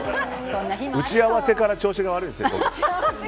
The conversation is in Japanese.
打ち合わせから調子が悪いです。